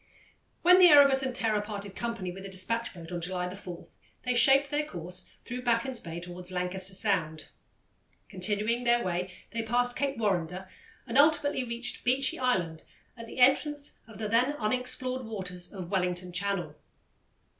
When the Erebus and Terror parted company with the despatch boat on July 4, they shaped their course through Baffin's Bay towards Lancaster Sound. Continuing their way, they passed Cape Warrender and ultimately reached Beechy Island at the entrance of the then unexplored waters of Wellington Channel.